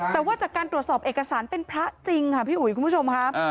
แต่ว่าจากการตรวจสอบเอกสารเป็นพระจริงค่ะพี่อุ๋ยคุณผู้ชมค่ะ